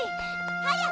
早く！